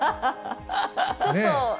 ちょっと。